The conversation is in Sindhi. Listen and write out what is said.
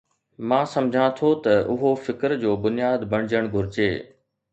مان سمجهان ٿو ته اهو فڪر جو بنياد بڻجڻ گهرجي.